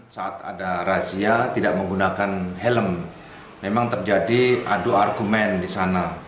saat ada razia tidak menggunakan helm memang terjadi adu argumen di sana